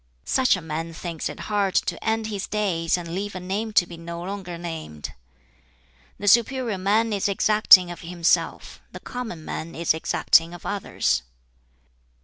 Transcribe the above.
"Such a man thinks it hard to end his days and leave a name to be no longer named. "The superior man is exacting of himself; the common man is exacting of others.